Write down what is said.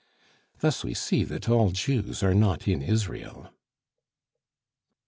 Thus we see that all Jews are not in Israel.